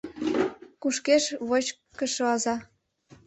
Кушкеш вочкышто аза